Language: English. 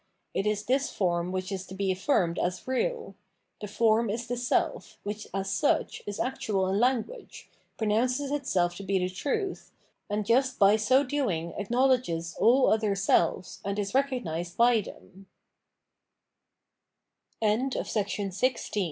It is this form which is to be afiirmed as real : the form is the self, which as such is actual in language, pronounces itself to be the truth, and just by so doing acknowledges all other selves, and is r